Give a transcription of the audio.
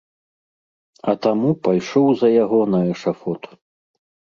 А таму пайшоў за яго на эшафот.